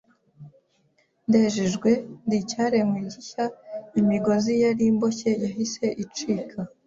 Ndejejwe, ndi icyaremwe gishya Imigozi yari imboshye yahise icika.